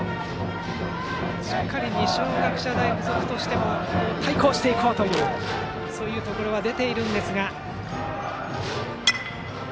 しっかり二松学舎大付属としても対抗していこうというそういうところは出ていますが。